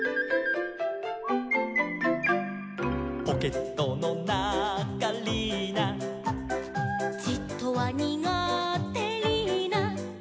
「ポケットのなかリーナ」「じっとはにがてリーナ」